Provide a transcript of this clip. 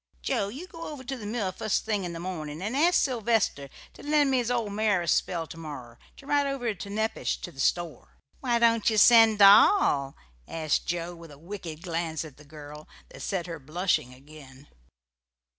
Joe, you go over to the mill fust thing in the morning and ask Sylvester to lend me his old mare a spell to morrer, to ride over to Nepash, to the store." "Why don't ye send Doll?" asked Joe, with a wicked glance at the girl that set her blushing again.